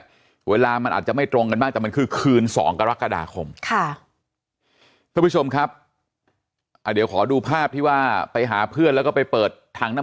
ขวดน้ำใบกระท่อมขึ้นมาใช่ไหม